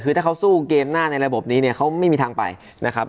คือถ้าเขาสู้เกมหน้าในระบบนี้เนี่ยเขาไม่มีทางไปนะครับ